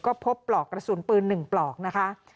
ก็พบปลอกกระสุนปืน๑ปลอกนะคะ